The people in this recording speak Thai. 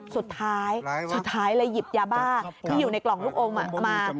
สุดท้ายสุดท้ายเลยหยิบยาบ้าที่อยู่ในกล่องลูกอมมา